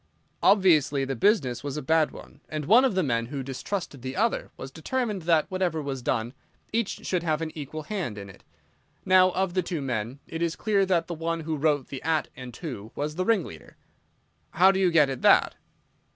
"Obviously the business was a bad one, and one of the men who distrusted the other was determined that, whatever was done, each should have an equal hand in it. Now, of the two men, it is clear that the one who wrote the 'at' and 'to' was the ringleader." "How do you get at that?"